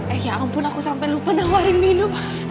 eh ya ampun aku sampai lupa nawarin minum